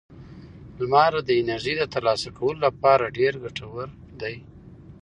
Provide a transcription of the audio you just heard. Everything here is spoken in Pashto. لمر د انرژۍ د ترلاسه کولو لپاره ډېر ګټور دی.